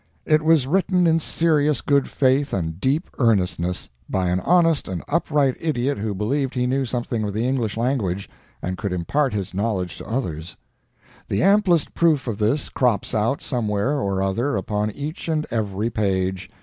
It was written in serious good faith and deep earnestness, by an honest and upright idiot who believed he knew something of the English language, and could impart his knowledge to others. The amplest proof of this crops out somewhere or other upon each and every page.